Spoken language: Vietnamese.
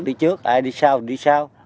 đi trước ai đi sau đi sau